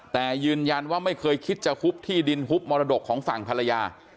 แต่ยืนยันว่าไม่เคยคิดจะฮุบที่ดินฮุบมรดกของฝั่งภรรยา